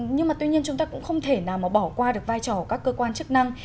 nhưng mà tuy nhiên chúng ta cũng không thể nào mà bỏ qua được vai trò của các cơ quan chức năng